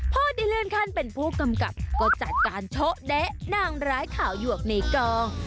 พ่อได้เลื่อนขั้นเป็นผู้กำกับก็จัดการโชเดะนางร้ายข่าวหยวกในกอง